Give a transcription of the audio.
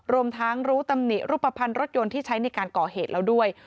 รวมทั้งรู้ตำหนิรูปภัณฑ์รถยนต์ที่ใช้ในการก่อเหตุแล้วด้วย